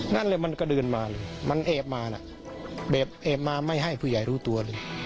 นั่นเลยมันก็เดินมาเลยมันแอบมานะแบบแอบมาไม่ให้ผู้ใหญ่รู้ตัวเลย